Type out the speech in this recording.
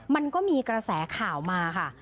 มันก็มีกระแสข่าวมาค่ะ